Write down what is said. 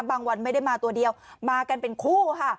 วันไม่ได้มาตัวเดียวมากันเป็นคู่ค่ะ